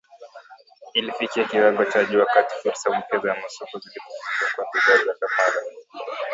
llifikia kiwango cha juu wakati fursa mpya za masoko zilipofunguka kwa bidhaa za Kampala